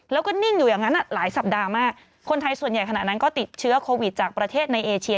แล้วก็นิ่งอยู่อย่างนั้นหลายสัปดาห์มากคนไทยส่วนใหญ่ขณะนั้นก็ติดเชื้อโควิดจากประเทศในเอเชีย